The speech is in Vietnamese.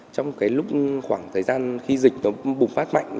trong cái lúc khoảng thời gian khi dịch nó bùng phát mạnh